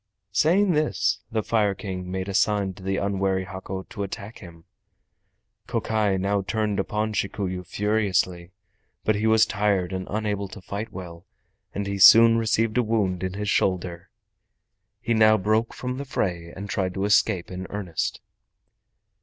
Saying this, the Fire King made a sign to the unwary Hako to attack him. Kokai now turned upon Shikuyu furiously, but he was tired and unable to fight well, and he soon received a wound in his shoulder. He now broke from the fray and tried to escape in earnest.